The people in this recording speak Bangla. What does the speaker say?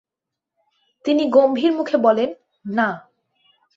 তিনি গম্ভীর মুখে বলেন, না।